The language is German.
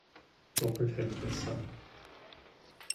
Doppelt hält besser.